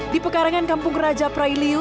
di pekarangan kampung raja prailiu